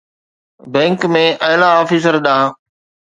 bank ۾ اعليٰ officer ڏانهن